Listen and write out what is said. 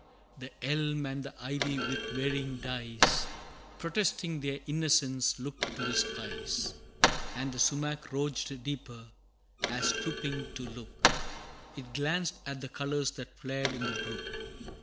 The elm and the ivy with varying dyes, Protesting their innocence, looked to the skies: And the sumach rouged deeper, as stooping to look, It glanced at the colors that flared in the brook.